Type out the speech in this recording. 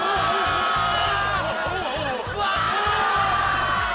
うわ！